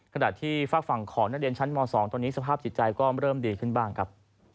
ขณะที่ฝากฝั่งของนักเรียนชั้นม๒ตอนนี้สภาพจิตใจก็เริ่มดีขึ้นบ้างครับ